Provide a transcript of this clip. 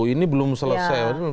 ini belum selesai